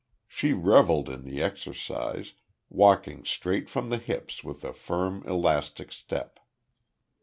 She revelled in the exercise, walking straight from the hips with a firm elastic step.